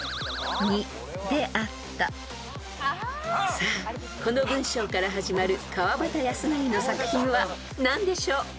［さあこの文章から始まる川端康成の作品は何でしょう？］